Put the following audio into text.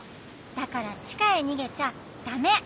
だからちかへにげちゃダメ！